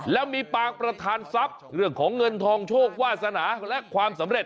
แล้วมีปางประธานทรัพย์เรื่องของเงินทองโชควาสนาและความสำเร็จ